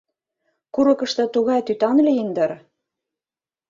Курыкышто тугай тӱтан лийын дыр...